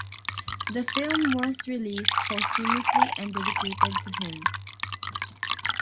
The film was released posthumously and dedicated to him.